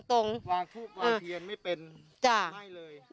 วางทุกข์วางเทียนไม่เป็นให้เลย